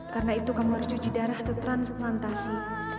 karena itu kamu harus cuci darah atau transplantasi